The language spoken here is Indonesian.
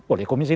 oleh komisi tiga